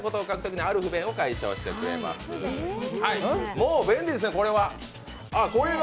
もう便利ですね、これは。